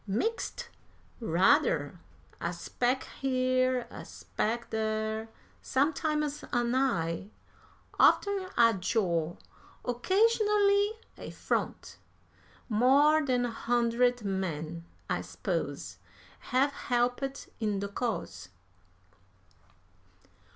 "Mixed rather! A speck here, a speck there. Sometimes an eye, oftener a jaw, occasionally a front. More than a hundred men, I s'pose, have helped in the cause."